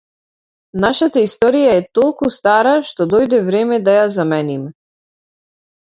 Нашата историја е толку стара што дојде време да ја замениме.